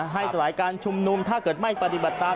สลายการชุมนุมถ้าเกิดไม่ปฏิบัติตาม